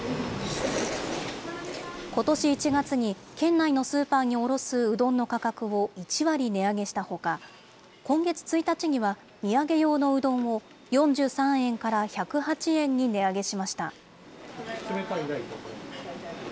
ことし１月に、県内のスーパーに卸すうどんの価格を１割値上げしたほか、今月１日には、土産用のうどんを４３円から１０８円に値上げしました。